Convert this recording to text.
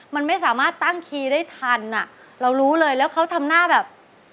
มันไม่สามารถตั้งคีย์ได้ทันอ่ะเรารู้เลยแล้วเขาทำหน้าแบบ